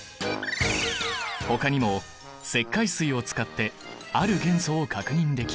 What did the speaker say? ほかにも石灰水を使ってある元素を確認できる。